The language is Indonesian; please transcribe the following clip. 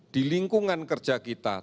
di lingkungan kerja kita